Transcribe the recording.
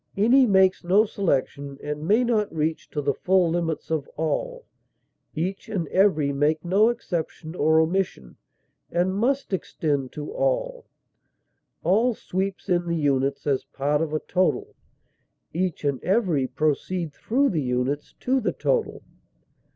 Any makes no selection and may not reach to the full limits of all; each and every make no exception or omission, and must extend to all; all sweeps in the units as part of a total, each and every proceed through the units to the total.